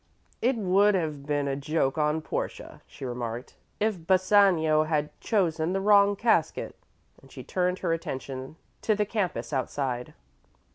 "It would have been a joke on Portia," she remarked, "if Bassanio had chosen the wrong casket"; and she turned her attention to the campus outside.